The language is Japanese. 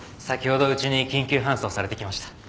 先ほどうちに緊急搬送されてきました。